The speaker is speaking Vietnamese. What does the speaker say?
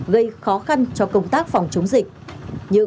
gây khó khăn cho công tác phòng chống dịch